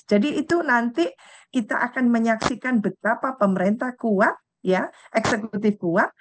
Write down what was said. jadi itu nanti kita akan menyaksikan betapa pemerintah kuat eksekutif kuat